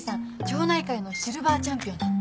町内会のシルバーチャンピオンなの。